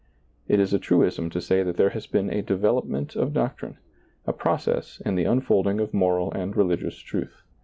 It is a truism to say that there has been a development of doctrine, a process in the un folding of moral and religious truth.